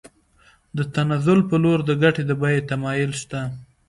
د تنزل په لور د ګټې د بیې تمایل شته